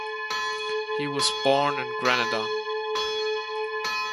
He was born in Granada.